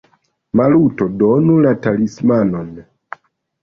Maluto, donu la talismanon!